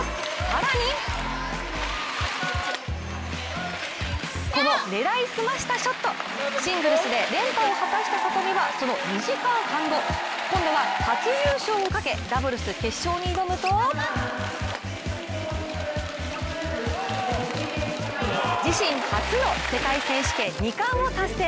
更に、この狙いすましたショット、シングルスで連覇を果たした里見は、その２時間半後今度は初優勝をかけダブルス決勝に挑むと自身初の世界選手権二冠を達成。